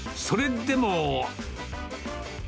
それでも。